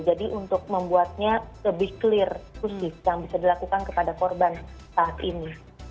jadi untuk membuatnya lebih clear kusik yang bisa dilakukan kepada korban saat ini